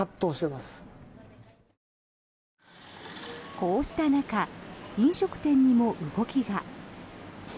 こうした中飲食店にも動きが。